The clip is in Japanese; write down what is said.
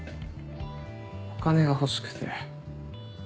お金が欲しくて。